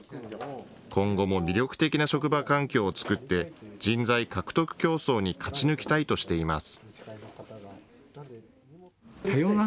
今後も魅力的な職場環境を作って人材獲得競争に勝ち抜きたいとしています。